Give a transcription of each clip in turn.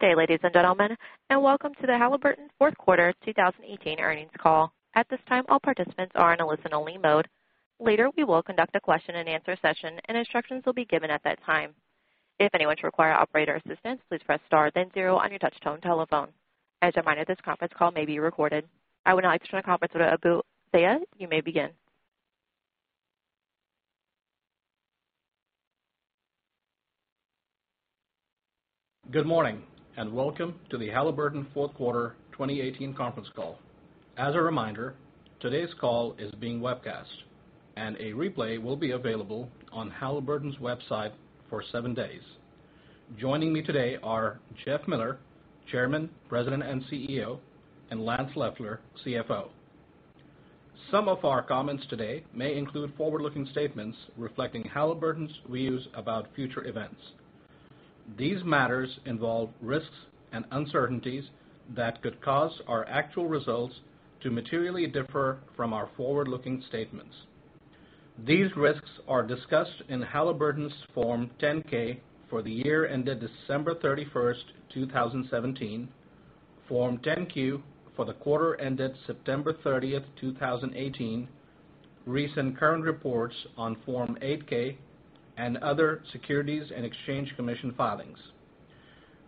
Good day, ladies and gentlemen, and welcome to the Halliburton fourth quarter 2018 earnings call. At this time, all participants are in a listen-only mode. Later, we will conduct a question and answer session, and instructions will be given at that time. If anyone should require operator assistance, please press star then zero on your touch-tone telephone. As a reminder, this conference call may be recorded. I would now like to turn the conference over to Abu Zeya. You may begin. Good morning, welcome to the Halliburton fourth quarter 2018 conference call. As a reminder, today's call is being webcast, and a replay will be available on Halliburton's website for seven days. Joining me today are Jeff Miller, Chairman, President, and CEO, and Lance Loeffler, CFO. Some of our comments today may include forward-looking statements reflecting Halliburton's views about future events. These matters involve risks and uncertainties that could cause our actual results to materially differ from our forward-looking statements. These risks are discussed in Halliburton's Form 10-K for the year ended December 31st, 2017, Form 10-Q for the quarter ended September 30th, 2018, recent current reports on Form 8-K and other Securities and Exchange Commission filings.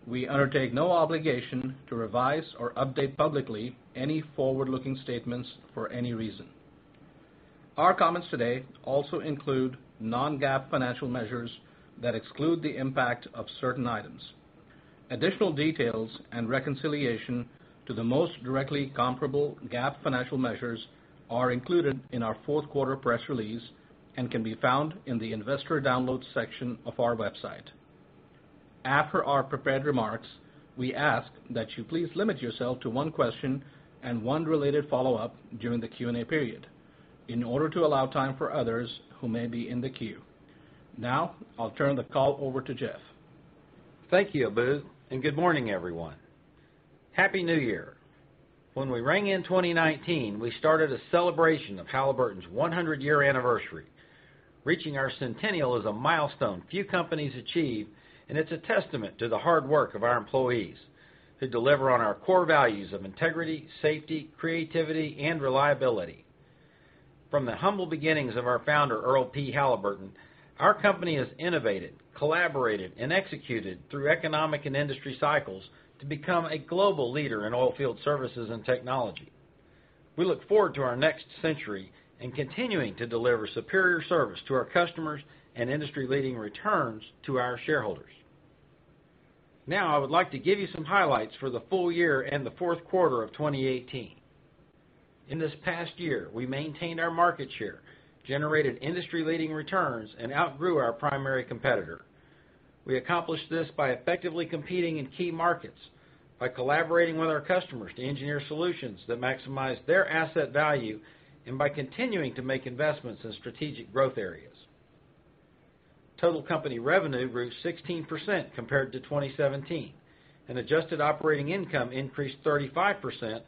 We undertake no obligation to revise or update publicly any forward-looking statements for any reason. Our comments today also include non-GAAP financial measures that exclude the impact of certain items. Additional details and reconciliation to the most directly comparable GAAP financial measures are included in our fourth quarter press release and can be found in the investor download section of our website. After our prepared remarks, we ask that you please limit yourself to one question and one related follow-up during the Q&A period in order to allow time for others who may be in the queue. Now, I'll turn the call over to Jeff. Thank you, A, good morning, everyone. Happy New Year. When we rang in 2019, we started a celebration of Halliburton's 100-year anniversary. Reaching our centennial is a milestone few companies achieve, it's a testament to the hard work of our employees to deliver on our core values of integrity, safety, creativity, and reliability. From the humble beginnings of our founder, Erle P. Halliburton, our company has innovated, collaborated, and executed through economic and industry cycles to become a global leader in oil field services and technology. We look forward to our next century continuing to deliver superior service to our customers and industry-leading returns to our shareholders. Now, I would like to give you some highlights for the full year and the fourth quarter of 2018. In this past year, we maintained our market share, generated industry-leading returns, outgrew our primary competitor. We accomplished this by effectively competing in key markets, by collaborating with our customers to engineer solutions that maximize their asset value, and by continuing to make investments in strategic growth areas. Total company revenue grew 16% compared to 2017, and adjusted operating income increased 35%,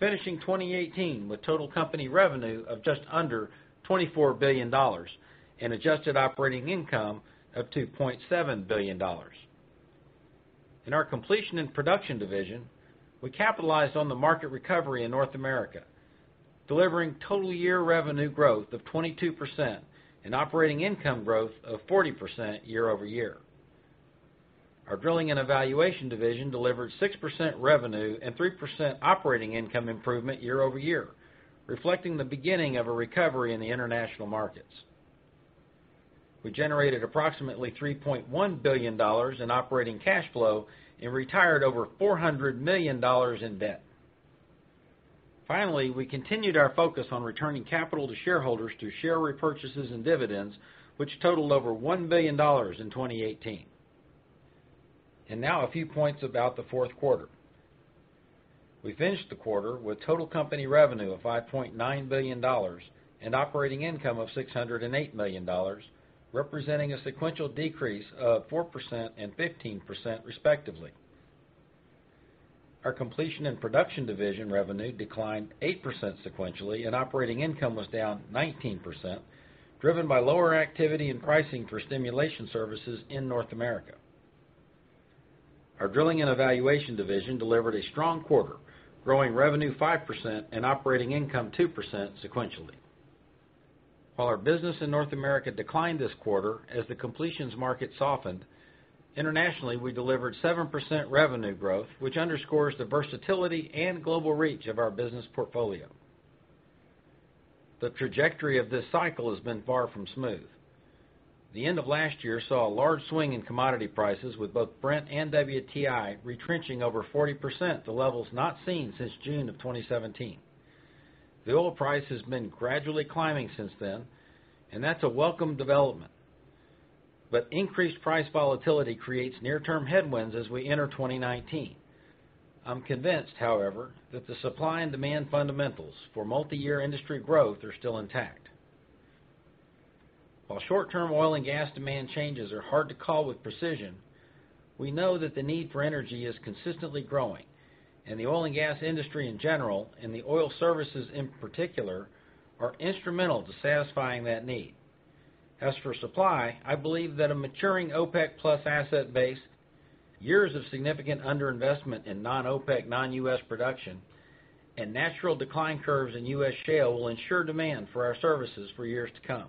finishing 2018 with total company revenue of just under $24 billion and adjusted operating income of $2.7 billion. In our Completion and Production division, we capitalized on the market recovery in North America, delivering total year revenue growth of 22% and operating income growth of 40% year-over-year. Our Drilling and Evaluation division delivered 6% revenue and 3% operating income improvement year-over-year, reflecting the beginning of a recovery in the international markets. We generated approximately $3.1 billion in operating cash flow and retired over $400 million in debt. Finally, we continued our focus on returning capital to shareholders through share repurchases and dividends, which totaled over $1 billion in 2018. Now a few points about the fourth quarter. We finished the quarter with total company revenue of $5.9 billion and operating income of $608 million, representing a sequential decrease of 4% and 15% respectively. Our Completion and Production division revenue declined 8% sequentially, and operating income was down 19%, driven by lower activity and pricing for stimulation services in North America. Our Drilling and Evaluation division delivered a strong quarter, growing revenue 5% and operating income 2% sequentially. While our business in North America declined this quarter as the completions market softened, internationally, we delivered 7% revenue growth, which underscores the versatility and global reach of our business portfolio. The trajectory of this cycle has been far from smooth. The end of last year saw a large swing in commodity prices, with both Brent and WTI retrenching over 40% to levels not seen since June of 2017. The oil price has been gradually climbing since then, and that's a welcome development. But increased price volatility creates near-term headwinds as we enter 2019. I'm convinced, however, that the supply and demand fundamentals for multi-year industry growth are still intact. While short-term oil and gas demand changes are hard to call with precision, we know that the need for energy is consistently growing, and the oil and gas industry in general and the oil services in particular, are instrumental to satisfying that need. As for supply, I believe that a maturing OPEC plus asset base, years of significant under-investment in non-OPEC, non-U.S. production, and natural decline curves in U.S. shale will ensure demand for our services for years to come.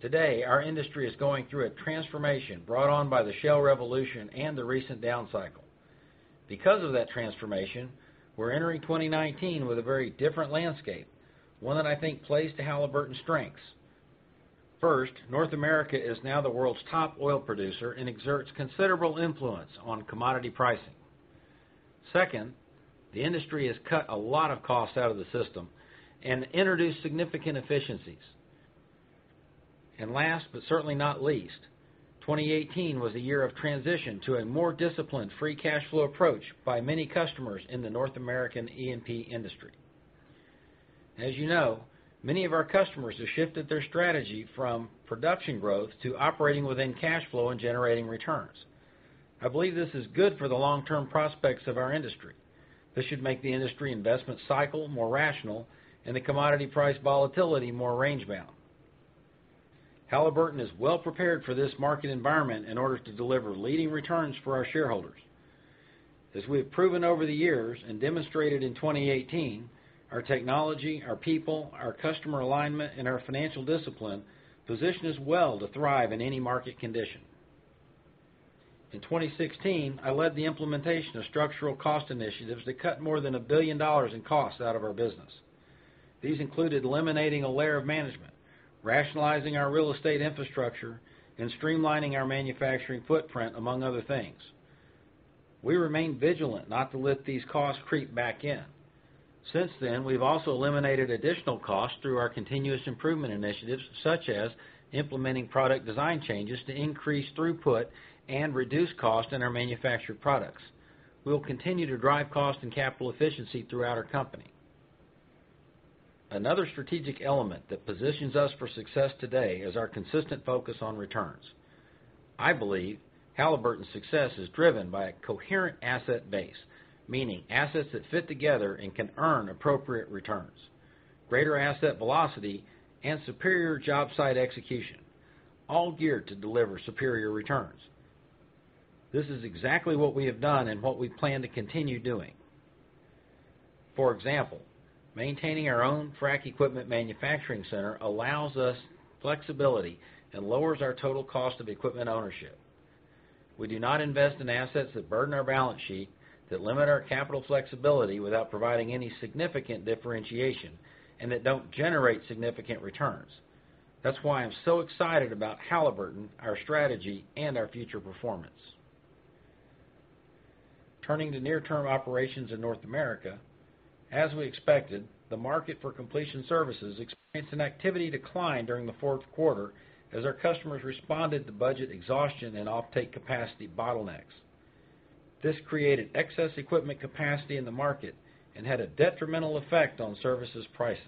Today, our industry is going through a transformation brought on by the shale revolution and the recent down cycle. Because of that transformation, we're entering 2019 with a very different landscape, one that I think plays to Halliburton's strengths. First, North America is now the world's top oil producer and exerts considerable influence on commodity pricing. Second, the industry has cut a lot of costs out of the system and introduced significant efficiencies. And last, but certainly not least, 2018 was a year of transition to a more disciplined free cash flow approach by many customers in the North American E&P industry. As you know, many of our customers have shifted their strategy from production growth to operating within cash flow and generating returns. I believe this is good for the long-term prospects of our industry. This should make the industry investment cycle more rational and the commodity price volatility more range-bound. Halliburton is well prepared for this market environment in order to deliver leading returns for our shareholders. As we have proven over the years and demonstrated in 2018, our technology, our people, our customer alignment, and our financial discipline position us well to thrive in any market condition. In 2016, I led the implementation of structural cost initiatives that cut more than $1 billion in costs out of our business. These included eliminating a layer of management, rationalizing our real estate infrastructure, and streamlining our manufacturing footprint, among other things. We remain vigilant not to let these costs creep back in. Since then, we've also eliminated additional costs through our continuous improvement initiatives, such as implementing product design changes to increase throughput and reduce cost in our manufactured products. We'll continue to drive cost and capital efficiency throughout our company. Another strategic element that positions us for success today is our consistent focus on returns. I believe Halliburton's success is driven by a coherent asset base, meaning assets that fit together and can earn appropriate returns, greater asset velocity, and superior job site execution, all geared to deliver superior returns. This is exactly what we have done and what we plan to continue doing. For example, maintaining our own frack equipment manufacturing center allows us flexibility and lowers our total cost of equipment ownership. We do not invest in assets that burden our balance sheet, that limit our capital flexibility without providing any significant differentiation, and that don't generate significant returns. That's why I'm so excited about Halliburton, our strategy, and our future performance. Turning to near-term operations in North America, as we expected, the market for completion services experienced an activity decline during the fourth quarter as our customers responded to budget exhaustion and offtake capacity bottlenecks. This created excess equipment capacity in the market and had a detrimental effect on services pricing.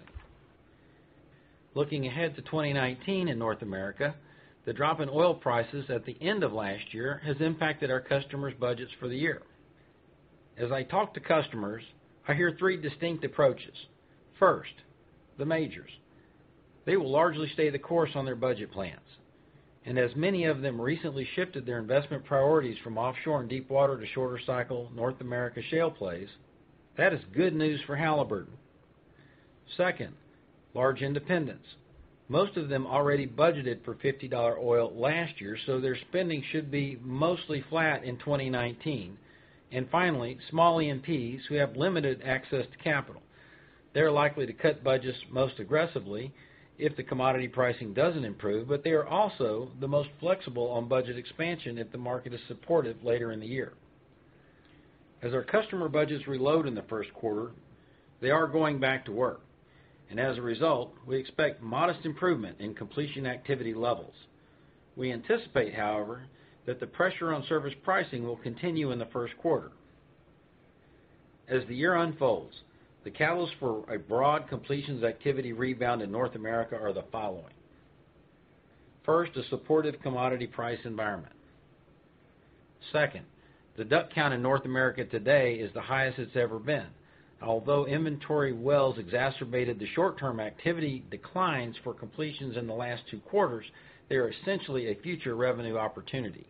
Looking ahead to 2019 in North America, the drop in oil prices at the end of last year has impacted our customers' budgets for the year. As I talk to customers, I hear three distinct approaches. First, the majors. They will largely stay the course on their budget plans. As many of them recently shifted their investment priorities from offshore and deepwater to shorter cycle North America shale plays, that is good news for Halliburton. Second, large independents. Most of them already budgeted for $50 oil last year, so their spending should be mostly flat in 2019. Finally, small E&Ps who have limited access to capital. They're likely to cut budgets most aggressively if the commodity pricing doesn't improve, but they are also the most flexible on budget expansion if the market is supportive later in the year. As our customer budgets reload in the first quarter, they are going back to work. As a result, we expect modest improvement in completion activity levels. We anticipate, however, that the pressure on service pricing will continue in the first quarter. As the year unfolds, the catalyst for a broad completions activity rebound in North America are the following. First, a supportive commodity price environment. Second, the DUC count in North America today is the highest it's ever been. Although inventory wells exacerbated the short-term activity declines for completions in the last two quarters, they are essentially a future revenue opportunity.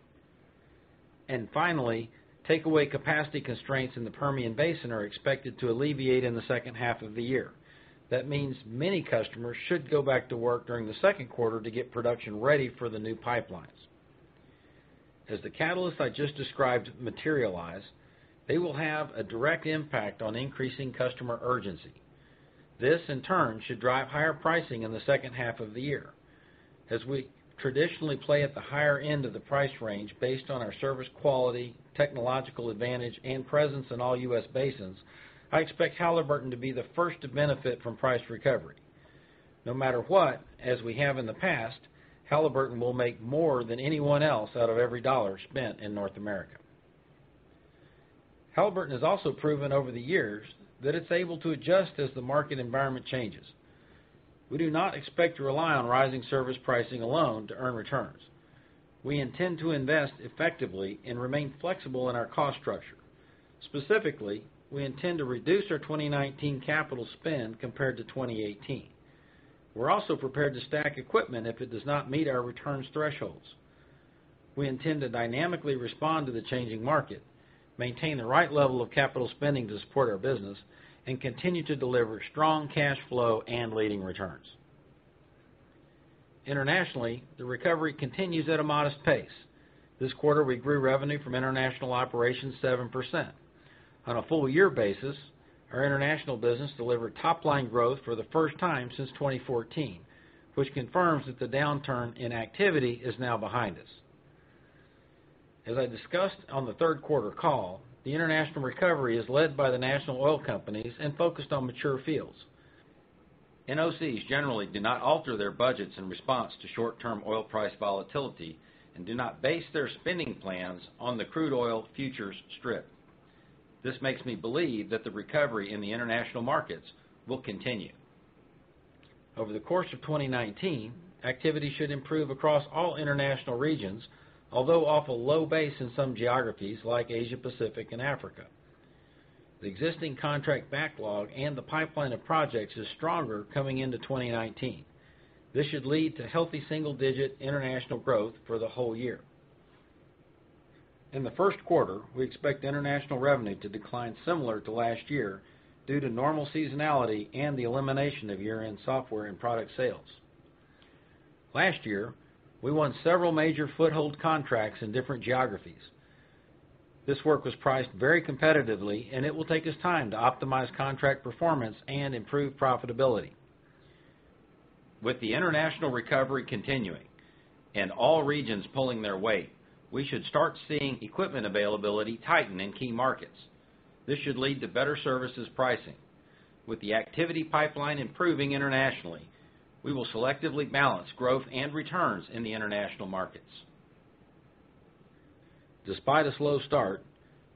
Finally, takeaway capacity constraints in the Permian Basin are expected to alleviate in the second half of the year. That means many customers should go back to work during the second quarter to get production ready for the new pipelines. As the catalysts I just described materialize, they will have a direct impact on increasing customer urgency. This, in turn, should drive higher pricing in the second half of the year. As we traditionally play at the higher end of the price range based on our service quality, technological advantage, and presence in all U.S. basins, I expect Halliburton to be the first to benefit from price recovery. No matter what, as we have in the past, Halliburton will make more than anyone else out of every $ spent in North America. Halliburton has also proven over the years that it's able to adjust as the market environment changes. We do not expect to rely on rising service pricing alone to earn returns. We intend to invest effectively and remain flexible in our cost structure. Specifically, we intend to reduce our 2019 capital spend compared to 2018. We're also prepared to stack equipment if it does not meet our returns thresholds. We intend to dynamically respond to the changing market, maintain the right level of capital spending to support our business, and continue to deliver strong cash flow and leading returns. Internationally, the recovery continues at a modest pace. This quarter, we grew revenue from international operations 7%. On a full year basis, our international business delivered top-line growth for the first time since 2014, which confirms that the downturn in activity is now behind us. As I discussed on the third quarter call, the international recovery is led by the National Oil Companies and focused on mature fields. NOCs generally do not alter their budgets in response to short-term oil price volatility and do not base their spending plans on the crude oil futures strip. This makes me believe that the recovery in the international markets will continue. Over the course of 2019, activity should improve across all international regions, although off a low base in some geographies like Asia Pacific and Africa. The existing contract backlog and the pipeline of projects is stronger coming into 2019. This should lead to healthy single-digit international growth for the whole year. In the first quarter, we expect international revenue to decline similar to last year due to normal seasonality and the elimination of year-end software and product sales. Last year, we won several major foothold contracts in different geographies. This work was priced very competitively, and it will take us time to optimize contract performance and improve profitability. With the international recovery continuing and all regions pulling their weight, we should start seeing equipment availability tighten in key markets. This should lead to better services pricing. With the activity pipeline improving internationally, we will selectively balance growth and returns in the international markets. Despite a slow start,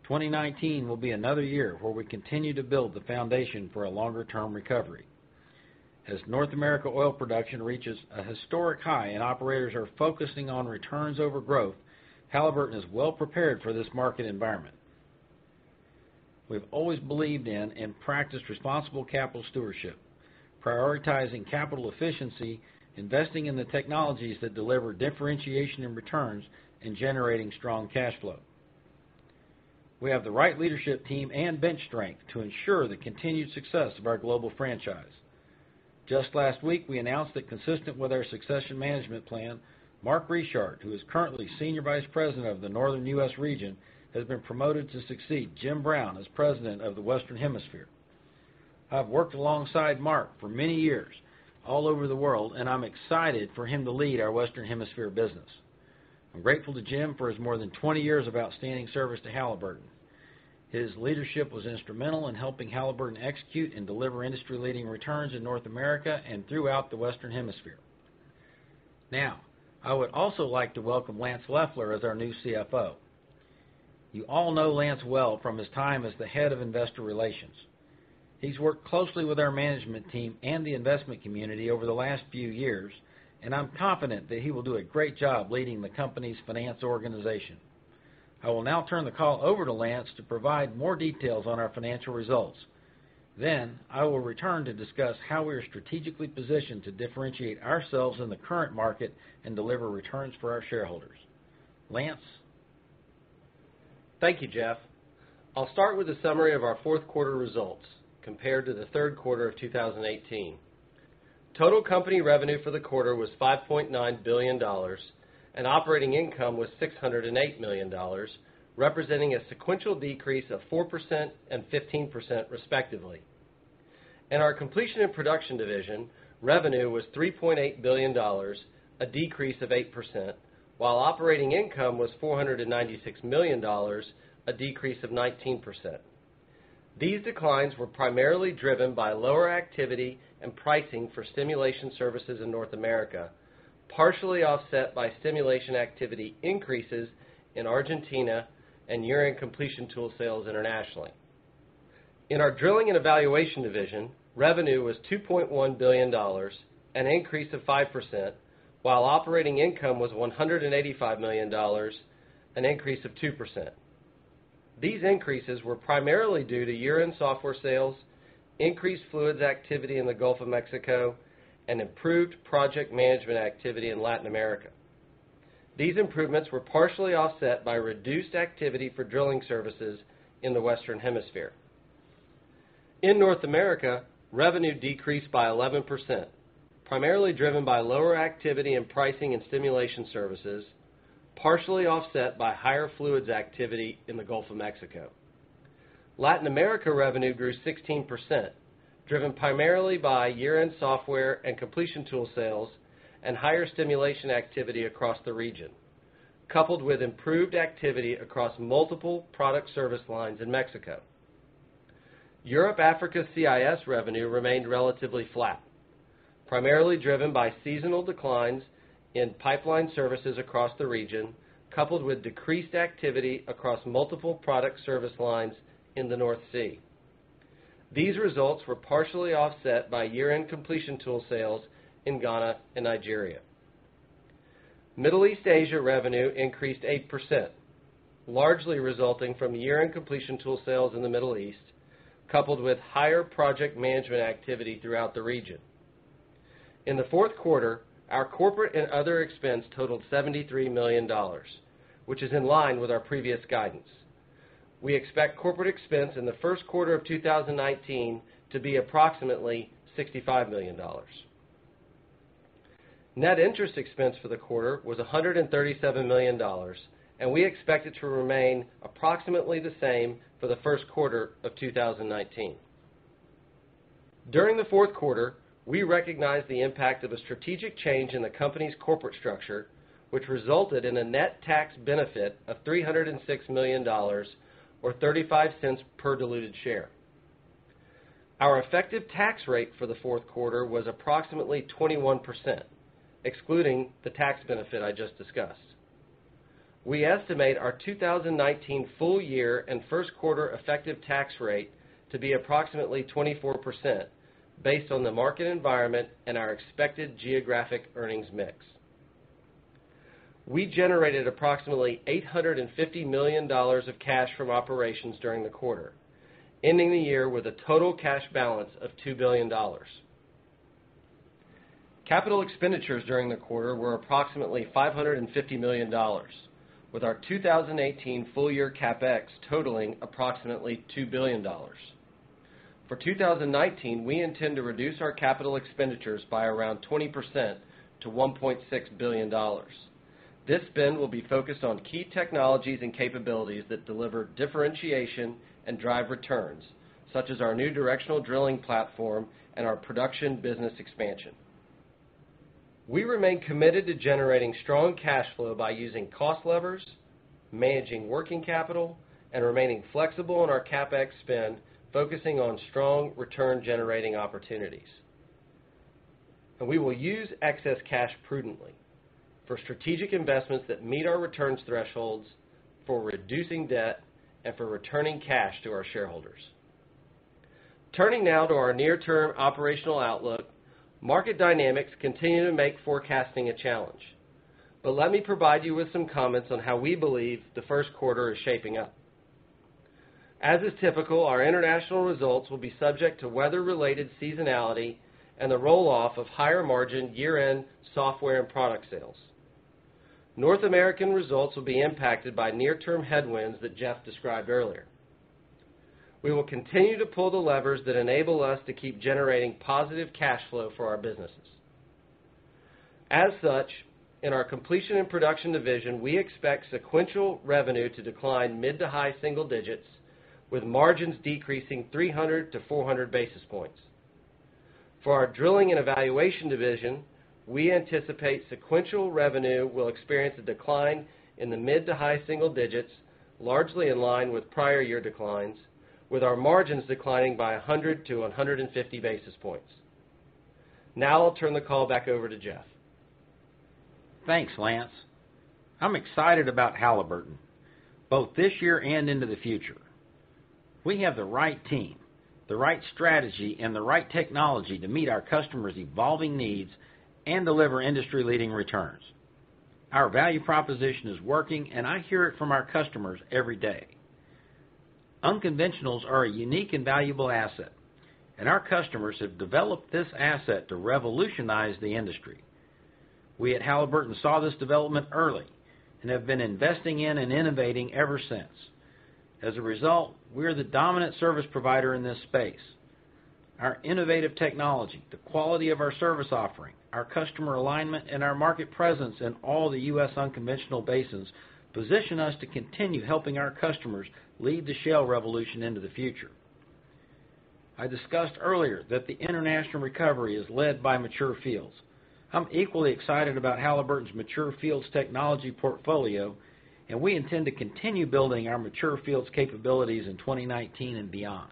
2019 will be another year where we continue to build the foundation for a longer-term recovery. As North America oil production reaches a historic high and operators are focusing on returns over growth, Halliburton is well prepared for this market environment. We've always believed in and practiced responsible capital stewardship, prioritizing capital efficiency, investing in the technologies that deliver differentiation in returns, and generating strong cash flow. We have the right leadership team and bench strength to ensure the continued success of our global franchise. Just last week, we announced that consistent with our succession management plan, Mark Reichman, who is currently Senior Vice President of the Northern U.S. region, has been promoted to succeed Jim Brown as President of the Western Hemisphere. I've worked alongside Mark for many years all over the world, and I'm excited for him to lead our Western Hemisphere business. I'm grateful to Jim for his more than 20 years of outstanding service to Halliburton. His leadership was instrumental in helping Halliburton execute and deliver industry-leading returns in North America and throughout the Western Hemisphere. I would also like to welcome Lance Loeffler as our new CFO. You all know Lance well from his time as the head of investor relations. He's worked closely with our management team and the investment community over the last few years, I'm confident that he will do a great job leading the company's finance organization. I will now turn the call over to Lance to provide more details on our financial results. I will return to discuss how we are strategically positioned to differentiate ourselves in the current market and deliver returns for our shareholders. Lance? Thank you, Jeff. I'll start with a summary of our fourth quarter results compared to the third quarter of 2018. Total company revenue for the quarter was $5.9 billion, and operating income was $608 million, representing a sequential decrease of 4% and 15%, respectively. In our Completion and Production Division, revenue was $3.8 billion, a decrease of 8%, while operating income was $496 million, a decrease of 19%. These declines were primarily driven by lower activity and pricing for stimulation services in North America, partially offset by stimulation activity increases in Argentina and year-end completion tool sales internationally. In our Drilling and Evaluation Division, revenue was $2.1 billion, an increase of 5%, while operating income was $185 million, an increase of 2%. These increases were primarily due to year-end software sales, increased fluids activity in the Gulf of Mexico, and improved project management activity in Latin America. These improvements were partially offset by reduced activity for drilling services in the Western Hemisphere. In North America, revenue decreased by 11%, primarily driven by lower activity and pricing in stimulation services, partially offset by higher fluids activity in the Gulf of Mexico. Latin America revenue grew 16%, driven primarily by year-end software and completion tool sales and higher stimulation activity across the region, coupled with improved activity across multiple product service lines in Mexico. Europe Africa CIS revenue remained relatively flat, primarily driven by seasonal declines in pipeline services across the region, coupled with decreased activity across multiple product service lines in the North Sea. These results were partially offset by year-end completion tool sales in Ghana and Nigeria. Middle East Asia revenue increased 8%, largely resulting from year-end completion tool sales in the Middle East, coupled with higher project management activity throughout the region. In the fourth quarter, our corporate and other expense totaled $73 million, which is in line with our previous guidance. We expect corporate expense in the first quarter of 2019 to be approximately $65 million. Net interest expense for the quarter was $137 million, we expect it to remain approximately the same for the first quarter of 2019. During the fourth quarter, we recognized the impact of a strategic change in the company's corporate structure, which resulted in a net tax benefit of $306 million, or $0.35 per diluted share. Our effective tax rate for the fourth quarter was approximately 21%, excluding the tax benefit I just discussed. We estimate our 2019 full year and first quarter effective tax rate to be approximately 24%, based on the market environment and our expected geographic earnings mix. We generated approximately $850 million of cash from operations during the quarter, ending the year with a total cash balance of $2 billion. Capital expenditures during the quarter were approximately $550 million, with our 2018 full year CapEx totaling approximately $2 billion. For 2019, we intend to reduce our capital expenditures by around 20% to $1.6 billion. This spend will be focused on key technologies and capabilities that deliver differentiation and drive returns, such as our new directional drilling platform and our production business expansion. We remain committed to generating strong cash flow by using cost levers, managing working capital, and remaining flexible in our CapEx spend, focusing on strong return-generating opportunities. We will use excess cash prudently for strategic investments that meet our returns thresholds, for reducing debt, and for returning cash to our shareholders. Turning now to our near-term operational outlook. Market dynamics continue to make forecasting a challenge. Let me provide you with some comments on how we believe the first quarter is shaping up. As is typical, our international results will be subject to weather-related seasonality and the roll-off of higher margin year-end software and product sales. North American results will be impacted by near-term headwinds that Jeff described earlier. We will continue to pull the levers that enable us to keep generating positive cash flow for our businesses. As such, in our Completion and Production division, we expect sequential revenue to decline mid to high single digits, with margins decreasing 300 to 400 basis points. For our Drilling and Evaluation division, we anticipate sequential revenue will experience a decline in the mid to high single digits, largely in line with prior year declines, with our margins declining by 100 to 150 basis points. Now I'll turn the call back over to Jeff. Thanks, Lance. I'm excited about Halliburton, both this year and into the future. We have the right team, the right strategy, and the right technology to meet our customers' evolving needs and deliver industry-leading returns. Our value proposition is working, and I hear it from our customers every day. Unconventionals are a unique and valuable asset, and our customers have developed this asset to revolutionize the industry. We at Halliburton saw this development early and have been investing in and innovating ever since. As a result, we are the dominant service provider in this space. Our innovative technology, the quality of our service offering, our customer alignment, and our market presence in all the U.S. unconventional basins position us to continue helping our customers lead the shale revolution into the future. I discussed earlier that the international recovery is led by mature fields. I'm equally excited about Halliburton's mature fields technology portfolio, and we intend to continue building our mature fields capabilities in 2019 and beyond.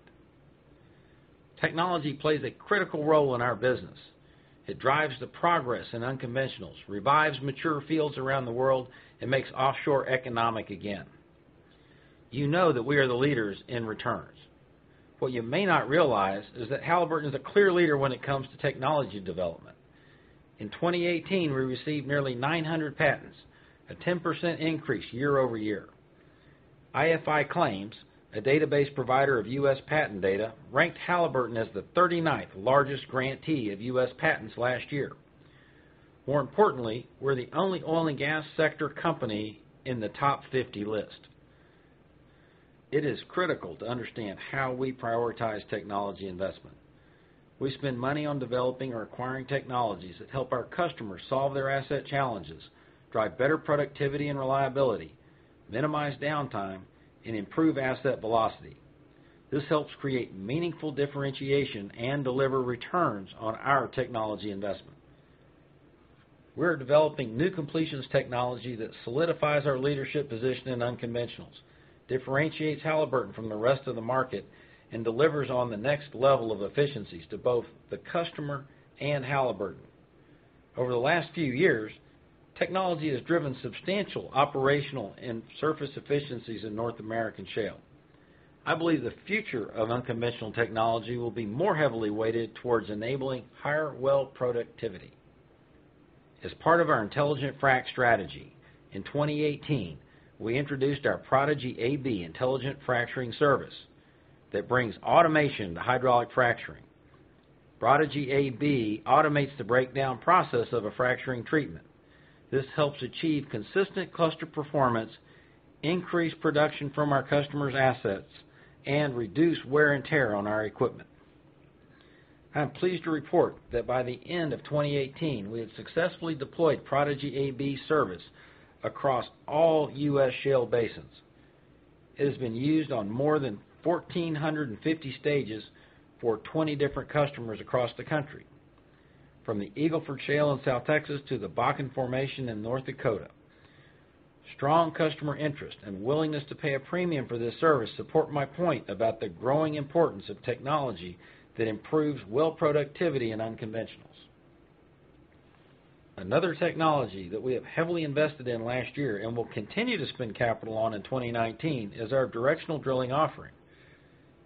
Technology plays a critical role in our business. It drives the progress in unconventionals, revives mature fields around the world, and makes offshore economic again. You know that we are the leaders in returns. What you may not realize is that Halliburton is a clear leader when it comes to technology development. In 2018, we received nearly 900 patents, a 10% increase year-over-year. IFI CLAIMS, a database provider of U.S. patent data, ranked Halliburton as the 39th largest grantee of U.S. patents last year. More importantly, we're the only oil and gas sector company in the top 50 list. It is critical to understand how we prioritize technology investment. We spend money on developing or acquiring technologies that help our customers solve their asset challenges, drive better productivity and reliability, minimize downtime, and improve asset velocity. This helps create meaningful differentiation and deliver returns on our technology investment. We're developing new completions technology that solidifies our leadership position in unconventionals, differentiates Halliburton from the rest of the market, and delivers on the next level of efficiencies to both the customer and Halliburton. Over the last few years, technology has driven substantial operational and surface efficiencies in North American shale. I believe the future of unconventional technology will be more heavily weighted towards enabling higher well productivity. As part of our intelligent frac strategy, in 2018, we introduced our Prodigi AB intelligent fracturing service that brings automation to hydraulic fracturing. Prodigi AB automates the breakdown process of a fracturing treatment. This helps achieve consistent cluster performance, increase production from our customers' assets, and reduce wear and tear on our equipment. I am pleased to report that by the end of 2018, we had successfully deployed Prodigi AB service across all U.S. shale basins. It has been used on more than 1,450 stages for 20 different customers across the country, from the Eagle Ford Shale in South Texas to the Bakken Formation in North Dakota. Strong customer interest and willingness to pay a premium for this service support my point about the growing importance of technology that improves well productivity in unconventionals. Another technology that we have heavily invested in last year and will continue to spend capital on in 2019 is our directional drilling offering.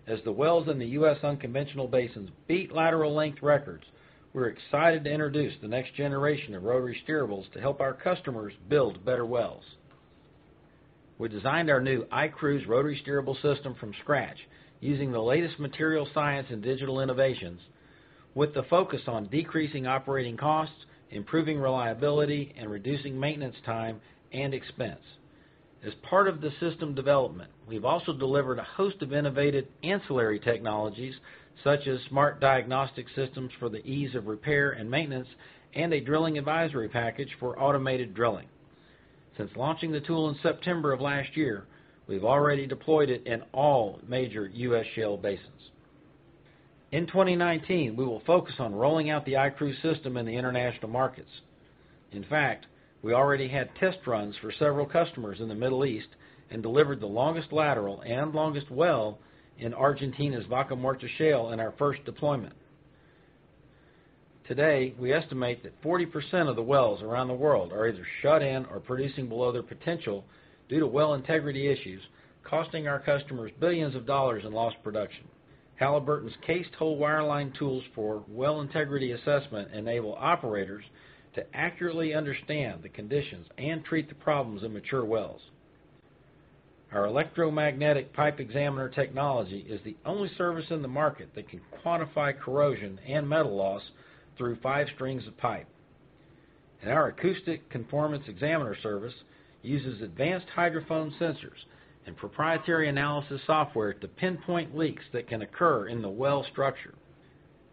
As the wells in the U.S. unconventional basins beat lateral length records, we're excited to introduce the next generation of rotary steerables to help our customers build better wells. We designed our new iCruise rotary steerable system from scratch using the latest material science and digital innovations, with the focus on decreasing operating costs, improving reliability, and reducing maintenance time and expense. As part of the system development, we've also delivered a host of innovative ancillary technologies, such as smart diagnostic systems for the ease of repair and maintenance, and a drilling advisory package for automated drilling. Since launching the tool in September of last year, we've already deployed it in all major U.S. shale basins. In 2019, we will focus on rolling out the iCruise system in the international markets. In fact, we already had test runs for several customers in the Middle East and delivered the longest lateral and longest well in Argentina's Vaca Muerta shale in our first deployment. Today, we estimate that 40% of the wells around the world are either shut in or producing below their potential due to well integrity issues, costing our customers billions of dollars in lost production. Halliburton's cased hole wireline tools for well integrity assessment enable operators to accurately understand the conditions and treat the problems in mature wells. Our Electromagnetic Pipe Examiner technology is the only service in the market that can quantify corrosion and metal loss through five strings of pipe. Our Acoustic Conformance Examiner service uses advanced hydrophone sensors and proprietary analysis software to pinpoint leaks that can occur in the well structure.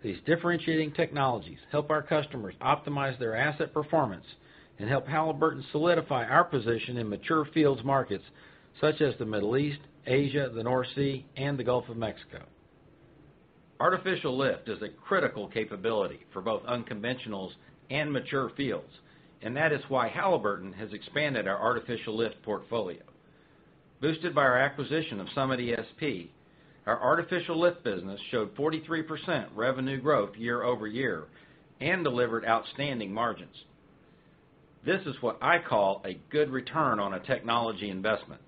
These differentiating technologies help our customers optimize their asset performance and help Halliburton solidify our position in mature fields markets such as the Middle East, Asia, the North Sea, and the Gulf of Mexico. Artificial lift is a critical capability for both unconventionals and mature fields. That is why Halliburton has expanded our artificial lift portfolio. Boosted by our acquisition of Summit ESP, our artificial lift business showed 43% revenue growth year-over-year and delivered outstanding margins. This is what I call a good return on a technology investment.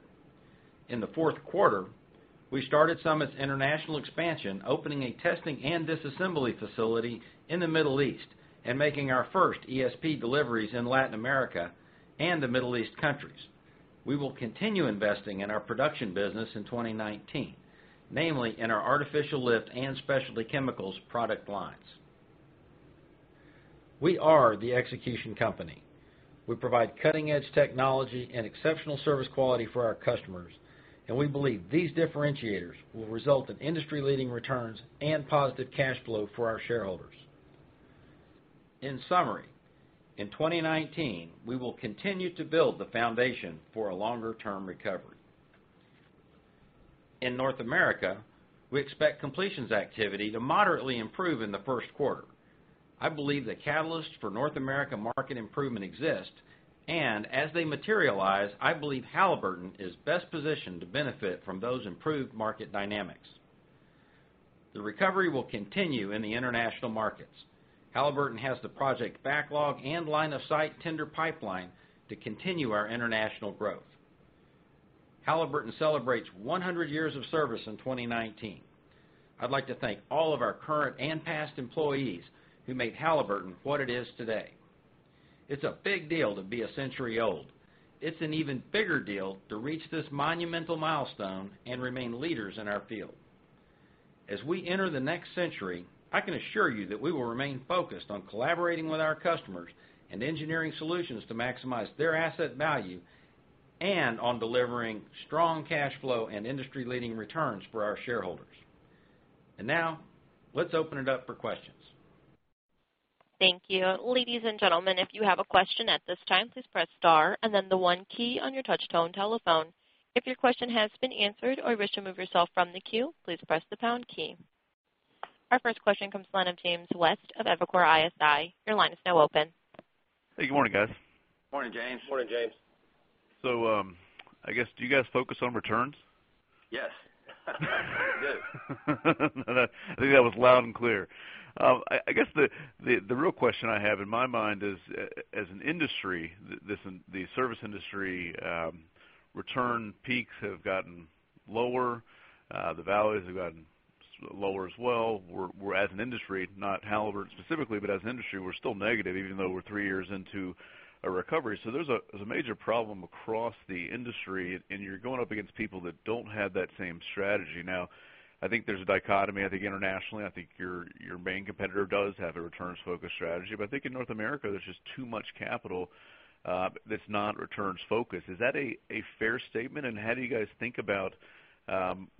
In the fourth quarter, we started Summit's international expansion, opening a testing and disassembly facility in the Middle East and making our first ESP deliveries in Latin America and the Middle East countries. We will continue investing in our production business in 2019, namely in our artificial lift and specialty chemicals product lines. We are the execution company. We provide cutting-edge technology and exceptional service quality for our customers. We believe these differentiators will result in industry-leading returns and positive cash flow for our shareholders. In summary, in 2019, we will continue to build the foundation for a longer-term recovery. In North America, we expect completions activity to moderately improve in the first quarter. I believe the catalyst for North America market improvement exists. As they materialize, I believe Halliburton is best positioned to benefit from those improved market dynamics. The recovery will continue in the international markets. Halliburton has the project backlog and line-of-sight tender pipeline to continue our international growth. Halliburton celebrates 100 years of service in 2019. I'd like to thank all of our current and past employees who made Halliburton what it is today. It's a big deal to be a century old. It's an even bigger deal to reach this monumental milestone and remain leaders in our field. As we enter the next century, I can assure you that we will remain focused on collaborating with our customers and engineering solutions to maximize their asset value and on delivering strong cash flow and industry-leading returns for our shareholders. Now, let's open it up for questions. Thank you. Ladies and gentlemen, if you have a question at this time, please press star and then the one key on your touch-tone telephone. If your question has been answered or you wish to remove yourself from the queue, please press the pound key. Our first question comes from the line of James West of Evercore ISI. Your line is now open. Hey. Good morning, guys. Morning, James. Morning, James. I guess, do you guys focus on returns? Yes. I think that was loud and clear. I guess the real question I have in my mind is, as an industry, the service industry return peaks have gotten lower, the valleys have gotten lower as well. We're as an industry, not Halliburton specifically, but as an industry, we're still negative even though we're three years into a recovery. There's a major problem across the industry, you're going up against people that don't have that same strategy. I think there's a dichotomy. I think internationally, I think your main competitor does have a returns-focused strategy, but I think in North America, there's just too much capital that's non-returns focused. Is that a fair statement? How do you guys think about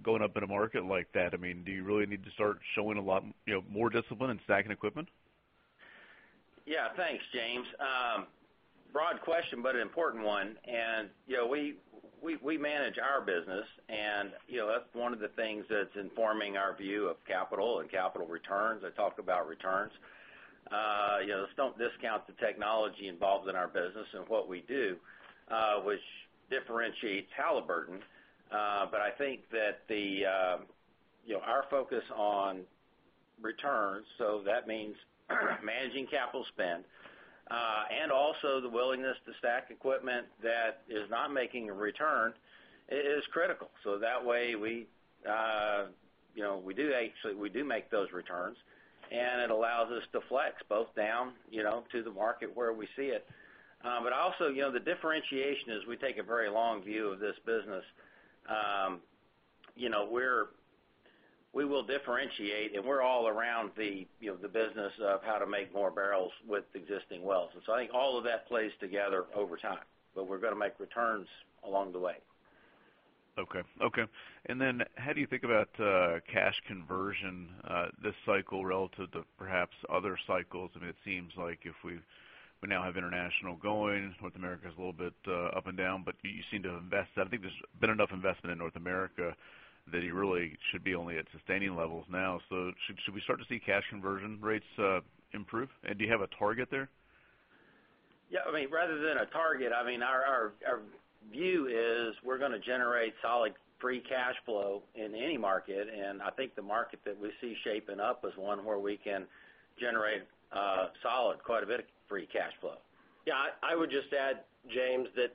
going up in a market like that? Do you really need to start showing a lot more discipline in stacking equipment? Yeah. Thanks, James. Broad question, but an important one. We manage our business, that's one of the things that's informing our view of capital and capital returns. I talked about returns. Let's don't discount the technology involved in our business and what we do, which differentiates Halliburton. I think that our focus on returns, that means managing capital spend, also the willingness to stack equipment that is not making a return, is critical. That way we do make those returns, it allows us to flex both down to the market where we see it. Also, the differentiation is we take a very long view of this business. We will differentiate, we're all around the business of how to make more barrels with existing wells. I think all of that plays together over time, but we're going to make returns along the way. Okay. How do you think about cash conversion this cycle relative to perhaps other cycles? It seems like if we now have international going, North America's a little bit up and down, but you seem to invest. I think there's been enough investment in North America that you really should be only at sustaining levels now. Should we start to see cash conversion rates improve? Do you have a target there? Yeah. Rather than a target, our view is we're going to generate solid free cash flow in any market, and I think the market that we see shaping up is one where we can generate solid, quite a bit of free cash flow. Yeah, I would just add, James, that